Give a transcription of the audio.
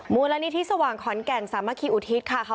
มูลนิธิสว่างขอนแก่นสามัคคีอุทิศค่ะ